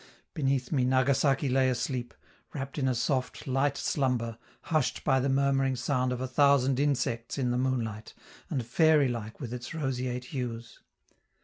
Beneath me Nagasaki lay asleep, wrapped in a soft, light slumber, hushed by the murmuring sound of a thousand insects in the moonlight, and fairy like with its roseate hues.